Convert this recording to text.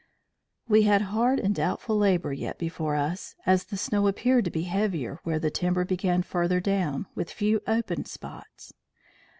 "We had hard and doubtful labor yet before us, as the snow appeared to be heavier where the timber began further down, with few open spots.